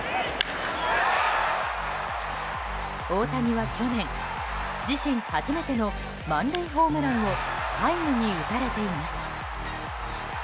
大谷は去年、自身初めての満塁ホームランをハイムに打たれています。